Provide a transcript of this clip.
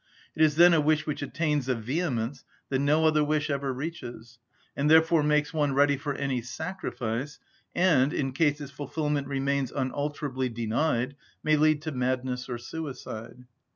It is then a wish which attains a vehemence that no other wish ever reaches, and therefore makes one ready for any sacrifice, and in case its fulfilment remains unalterably denied, may lead to madness or suicide.